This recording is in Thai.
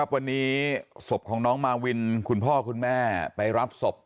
วันนี้ศพของน้องมาวินคุณพ่อคุณแม่ไปรับศพ